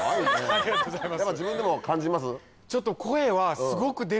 ありがとうございます。